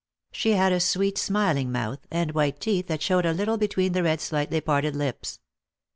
She had a sweet smiling mouth, and white teeth that showed a little between the red slightly parted lips.